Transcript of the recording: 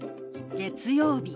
「月曜日」。